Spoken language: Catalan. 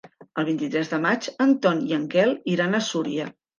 El vint-i-tres de maig en Ton i en Quel iran a Súria.